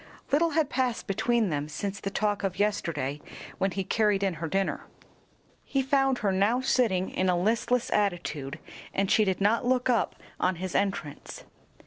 Little had passed between them since the talk of yesterday when he carried in her dinner. He found her now sitting in a listless attitude, and she did not look up on his entrance.